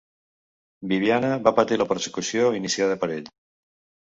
Bibiana va patir la persecució iniciada per ell.